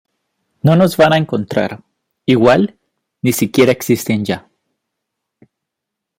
no nos van a encontrar. igual, ni si quiera existen ya.